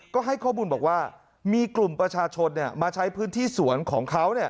ก็ให้ข้อมูลบอกว่ามีกลุ่มประชาชนมาใช้พื้นที่สวนของเขา